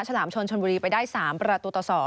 ฉลามชนชนบุรีไปได้๓ประตูต่อ๒